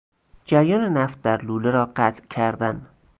جریان نفت در لوله را قطع کردن